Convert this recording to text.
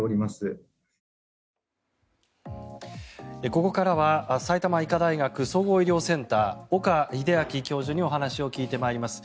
ここからは埼玉医科大学総合医療センター岡秀昭教授にお話を聞いてまいります。